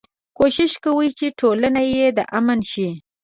کوشش کوي چې ټولنه يې د امن شي.